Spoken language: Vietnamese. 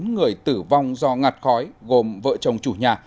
bốn người tử vong do ngạt khói gồm vợ chồng chủ nhà